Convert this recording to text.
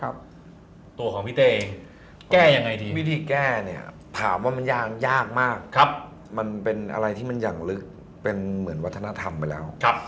บ๊วยวิธีแก้ถามว่ามันยากมากมันเป็นอะไรที่มันอย่างลึกเป็นเหมือนวัฒนธรรมไปแล้ว